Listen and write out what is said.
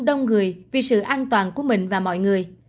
đông người vì sự an toàn của mình và mọi người